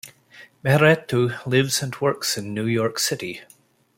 Mehretu lives and works in New York City.